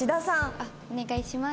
あっお願いします。